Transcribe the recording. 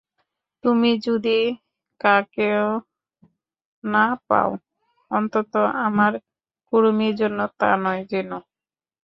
তুমি যদি কাকেও না পাও, অন্তত আমার কুঁড়েমির জন্য তা নয়, জেনো।